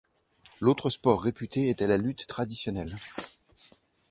L’autre sport réputé était la lutte traditionnelle.